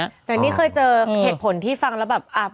แต่นี่เคยเจอเหตุผลที่ฟังแล้วแบบ